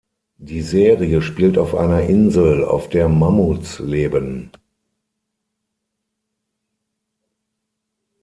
Die Serie spielt auf einer Insel, auf der Mammuts leben.